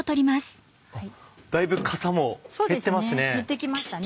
だいぶかさも減ってますね。